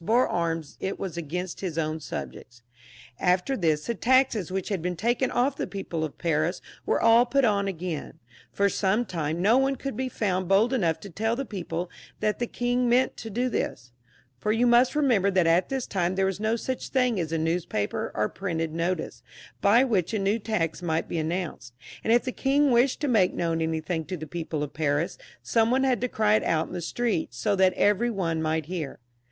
bore arms, it was against his own subjects. After this the taxes which had been taken off from the people of Paris were all put on again. For some time no one could be found bold enough to tell the people that the king meant to do this ; for you must remember that at this time there was no such thing as a newspaper or printed notice, by which a new tax might be announced, and if the king wished to make known anything to the people of Paris, some one had to cry it out in the streets, so that every one might hear.